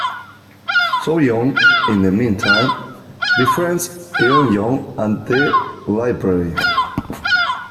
So-young, in the meantime, befriends Eun-young at the library.